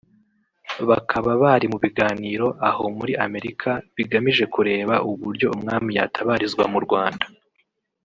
bakaba bari mu biganiro aho muri Amerika bigamije kureba uburyo Umwami yatabarizwa mu Rwanda